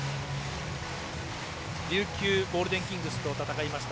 琉球ゴールデンキングスと戦いました